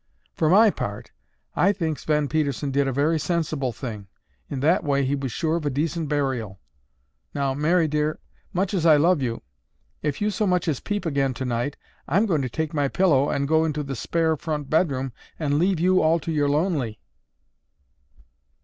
For my part, I think Sven Pedersen did a very sensible thing. In that way he was sure of a decent burial. Now, Mary dear, much as I love you, if you so much as peep again tonight, I'm going to take my pillow and go into the spare front bedroom and leave you all to your lonely."